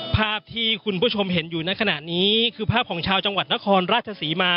ภาพที่คุณผู้ชมเห็นอยู่ในขณะนี้คือภาพของชาวจังหวัดนครราชศรีมา